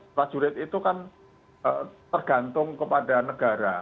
prajurit itu kan tergantung kepada negara